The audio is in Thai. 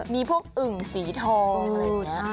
มีพวกอึ่งสีทองอะไรแบบนี้นะ